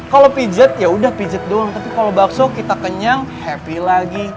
kalau pijet yaudah pijet doang tapi kalau bakso kita kenyang happy lagi